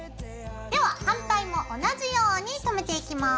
では反対も同じようにとめていきます。